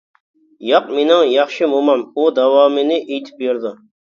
-ياق، مېنىڭ ياخشى مومام، ئۇ داۋامىنى ئېيتىپ بېرىدۇ.